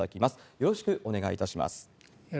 よろしくお願いします。